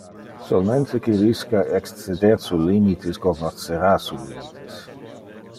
Solmente qui risca exceder su limites cognoscera su limites.